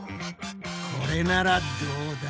これならどうだ？